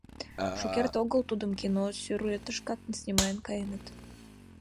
Шукерте огыл тудым кино сӱретышкат снимаен каеныт.